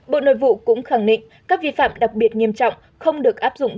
bộ nội vụ cũng khẳng định các vi phạm đặc biệt nghiêm trọng không được áp dụng